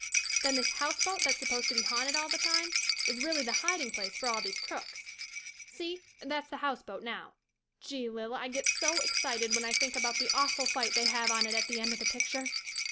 Then this House Boat that's supposed to be haunted all the time is really the hiding place for all these crooks. See, that's the House Boat now. Gee, Lil, I get so excited when I think about the awful fight they have on it at the end of the picture.